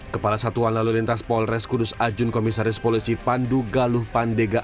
kepala satuan lalu lintas polres kudus ajun komisaris polisi pandu galuh pandega